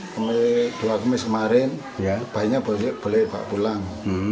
kemarin dua kmis kemarin bayinya boleh bawa pulang